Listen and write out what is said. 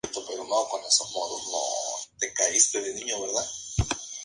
Atraviesa los departamentos de Canelones, Florida, Lavalleja, Treinta y Tres, y Cerro Largo.